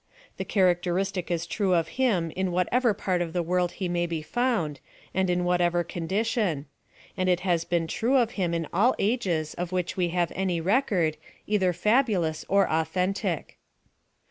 ^^ The characteristic is true of him in whatever part of tlie world he may be found, and in whatever condition ; and it has l^een true of him in all ages of which wl have any record either fabulous or authentic.